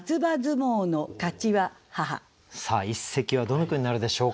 さあ一席はどの句になるでしょうか。